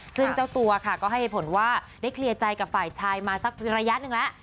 ซึ่งเจ้าตัวค่ะก็ให้ผลว่าได้เคลียร์ใจกับฝ่ายชายมาสักระยะหนึ่งแล้ว